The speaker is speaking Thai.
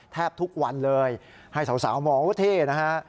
แทบทุกวันเลยให้สาวมองว่าเท่นะฮะ